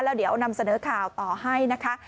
แล้วเดี๋ยวนำเสนอข่าวต่อให้นะคะ